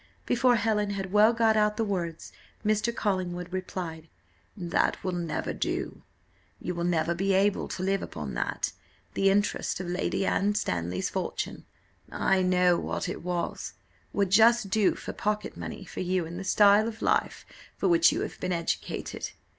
Before Helen had well got out the words, Mrs. Collingwood replied, "That will never do, you will never be able to live upon that; the interest of Lady Anne Stanley's fortune, I know what it was, would just do for pocket money for you in the style of life for which you have been educated.